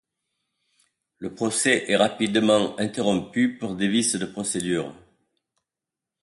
Le procès est rapidement interrompu pour des vices de procédure.